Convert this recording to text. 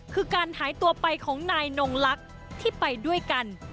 คือการหายตัวไปของนายนงลักษณ์ที่ไปด้วยกัน